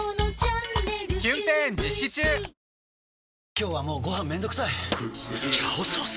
今日はもうご飯めんどくさい「炒ソース」！？